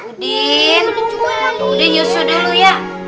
udin udin yusud dulu ya